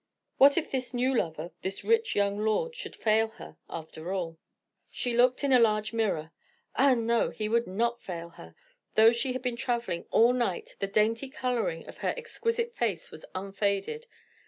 What if this new lover, this rich young lord, should fail her, after all? She looked in a large mirror. Ah, no! he would not fail her; though she had been traveling all night, the dainty coloring of her exquisite face was unfaded.